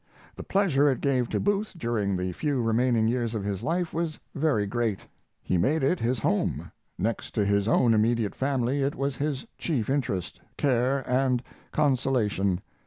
The pleasure it gave to Booth during the few remaining years of his life was very great. He made it his home. Next to his own immediate family it was his chief interest, care, and consolation.